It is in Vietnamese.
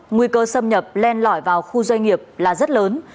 nguy cơ xâm nhập len lỏi vào khu doanh nghiệp là rất lớn